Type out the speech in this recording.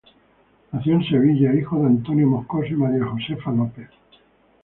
Nació en Sevilla, hijo de Antonio Moscoso y María Josefa López.